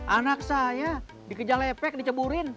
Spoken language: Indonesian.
anak saya dikejar epek diceburin